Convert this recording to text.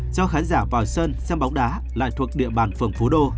cho khán giả vào sơn xem bóng đá lại thuộc địa bàn phường phú đô